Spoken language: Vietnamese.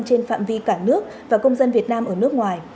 trên phạm vi cả nước và công dân việt nam ở nước ngoài